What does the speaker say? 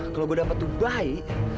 kalo gue dapet tuh bayi